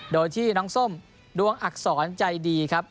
โดยที่น้องส้มดวงอักษรใจดีครับ